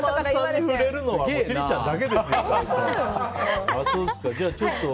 そんなことに触れるの千里ちゃんだけですよ。